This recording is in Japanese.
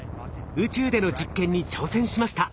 宇宙での実験に挑戦しました。